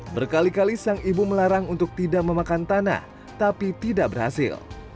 berkali kali sang ibu melarang untuk tidak memakan tanah tapi tidak berhasil